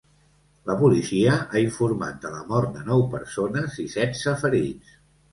La policia ha informat de la mort de nou persones i setze ferits.